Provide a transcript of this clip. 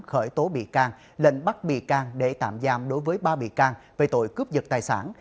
khởi tố bị can lệnh bắt bị can để tạm giam đối với ba bị can về tội cướp giật tài sản